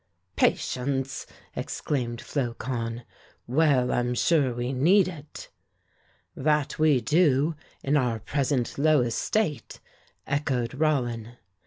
"Patience!" exclaimed Flocon. "Well, I'm sure we need it." "That we do, in our present low estate," echoed Rollin.